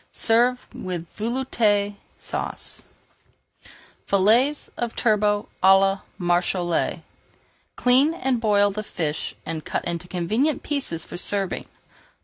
Serve with Velouté Sauce. [Page 433] FILLETS OF TURBOT À LA MARÉCHALE Clean and boil the fish and cut into convenient pieces for serving.